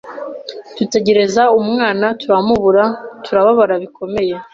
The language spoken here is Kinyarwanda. dutegereza umwana turamubura, turababara bikomeye